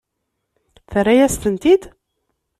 Terra-yas-tent-id?